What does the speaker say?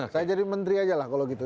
saya jadi menteri aja lah kalau gitu